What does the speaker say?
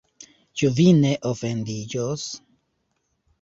Ĉu vi ne ofendiĝos?